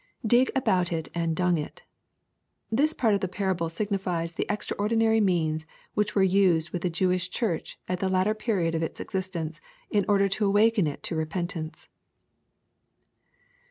[Dig dbotU it and dtmg it.] This part of the parable signifies the extraordinary means which were used with the Jewish (Siurch at the latter period of its existence, in order to awaken it to re pentance.